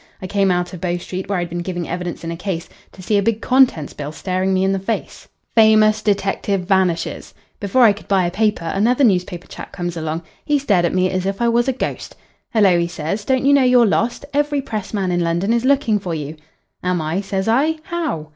I came out of Bow Street, where I'd been giving evidence in a case, to see a big contents bill staring me in the face FAMOUS DETECTIVE VANISHES "Before I could buy a paper, another newspaper chap comes along. He stared at me as if I was a ghost. "'Hello!' he says. 'Don't you know you're lost? Every pressman in London is looking for you.' "'Am I?' says I. 'How?'